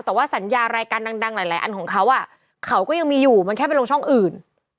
แต่ว่าสัญญารายการดังหลายอันของเขาเขาก็ยังมีอยู่มันแค่ไปลงช่องอื่น